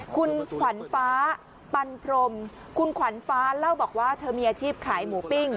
คุณขวัญฟ้าปันพรมคุณขวัญฟ้าเล่าบอกว่าเธอมีอาชีพขายหมูปิ้ง